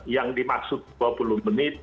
yang dimaksud dua puluh menit